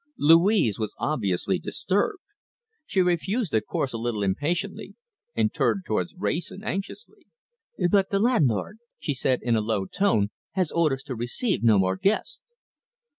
Louise was obviously disturbed. She refused a course a little impatiently, and turned towards Wrayson anxiously. "But the landlord," she said in a low tone, "has orders to receive no more guests."